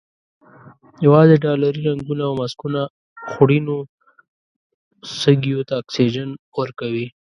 یوازې ډالري رنګونه او ماسکونه خوړینو سږیو ته اکسیجن ورکوي.